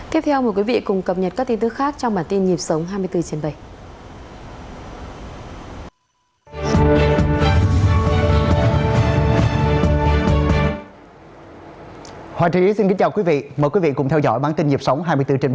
tiếp theo mời quý vị cùng cập nhật các tin tức khác trong bản tin nhịp sống hai mươi bốn trên bảy